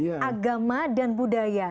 agama dan budaya